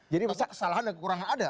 jadi masa kesalahan dan kekurangan ada